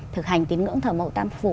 thực hành tín ngưỡng thờ mẫu tam phủ